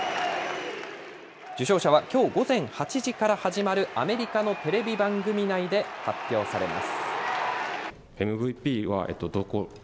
受賞者はきょう午前８時から始まるアメリカのテレビ番組内で発表されます。